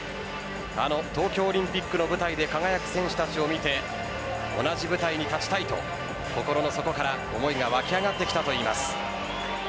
あの東京オリンピックの舞台で輝く選手たちを見て同じ舞台に立ちたいと心の底から思いが湧き上がってきたといいます。